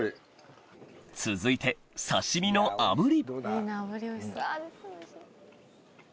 続いて刺し身のあぶり